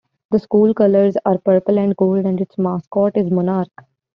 The school colors are purple and gold, and its mascot is a Monarch.